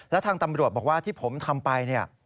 แล้วทางตำรวจบอกว่าที่ผมทำไป